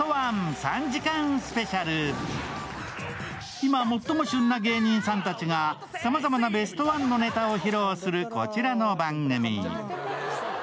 今、最も旬な芸人さんたちがさまざまなベストワンのネタを披露するこちらの番組。